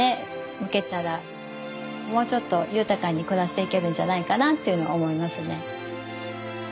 向けたらもうちょっと豊かに暮らしていけるんじゃないかなっていうのは思いますね。